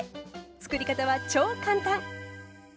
つくり方は超簡単！